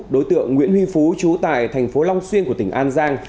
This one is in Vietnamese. đối tượng nguyễn huy phú trú tại tp long xuyên của tỉnh an giang